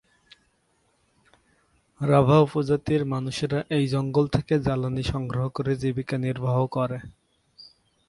রাভা উপজাতির মানুষেরা এই জঙ্গল থেকে জ্বালানি সংগ্রহ করে জীবিকা নির্বাহ করে।